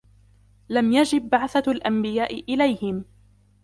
لَمْ يَجِبْ بَعْثَةُ الْأَنْبِيَاءِ إلَيْهِمْ